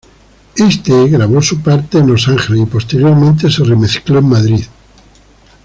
Éste grabó su parte en Los Ángeles y posteriormente se remezcló en Madrid.